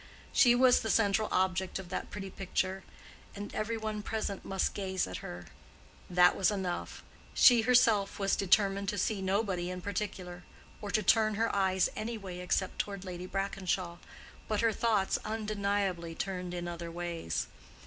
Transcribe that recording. She was the central object of that pretty picture, and every one present must gaze at her. That was enough: she herself was determined to see nobody in particular, or to turn her eyes any way except toward Lady Brackenshaw, but her thoughts undeniably turned in other ways.